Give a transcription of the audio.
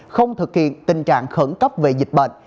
không thực hiện tình trạng khẩn cấp về dịch bệnh